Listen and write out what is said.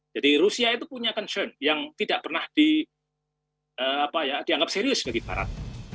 jadi rusia itu punya concern yang tidak pernah dianggap serius bagi barat